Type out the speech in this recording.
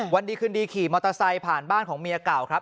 วันดีคืนดีขี่มอเตอร์ไซค์ผ่านบ้านของเมียเก่าครับ